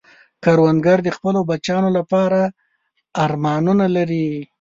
کروندګر د خپلو بچیانو لپاره ارمانونه لري